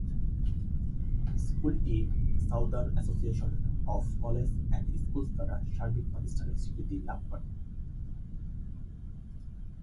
স্কুলটি southern association of college and schools দ্বারা সার্বিক প্রাতিষ্ঠানিক স্বীকৃতি লাভ করে।